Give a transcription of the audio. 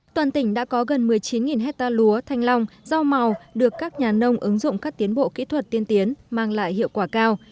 toàn tỉnh đã có gần một mươi chín hectare lúa thanh long rau màu được các nhà nông ứng dụng các tiến bộ kỹ thuật tiên tiến mang lại hiệu quả cao